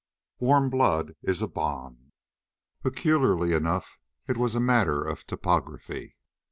WARM BLOOD IS A BOND_ Peculiarly enough, it was a matter of topography.